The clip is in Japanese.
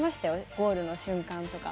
ゴールの瞬間とか。